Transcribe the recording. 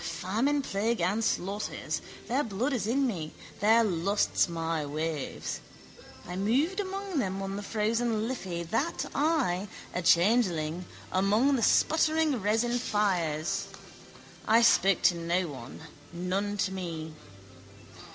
Famine, plague and slaughters. Their blood is in me, their lusts my waves. I moved among them on the frozen Liffey, that I, a changeling, among the spluttering resin fires. I spoke to no one: none to me.